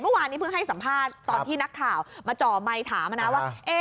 เมื่อวานนี้เพิ่งให้สัมภาษณ์ตอนที่นักข่าวมาจ่อไมค์ถามนะว่า